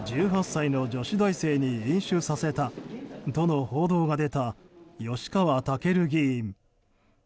１８歳の女子大生に飲酒させたとの報道が出た吉川赳議員。